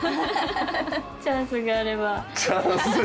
チャンスがあれば。